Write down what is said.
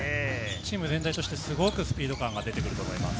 チーム全体としてすごくスピード感が出てくると思います。